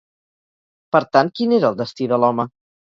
Per tant, quin era el destí de l'home?